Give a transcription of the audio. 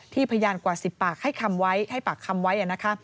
ที่พยานกว่าสิบปากให้ปากคำไว้